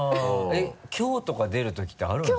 凶とか出るときってあるんですか？